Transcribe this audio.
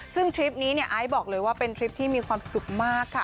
ซึ่งทริปนี้เนี่ยไอซ์บอกเลยว่าเป็นทริปที่มีความสุขมากค่ะ